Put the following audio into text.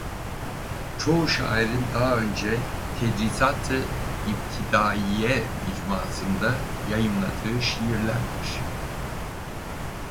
Çoğu şairin daha önce "Tedrisat-ı İbtidaiyye Mecmuası"nda yayımladığı şiirlerdir.